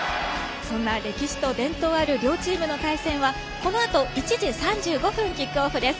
そんな歴史ある両チームの対戦はこのあと１時３５分キックオフです。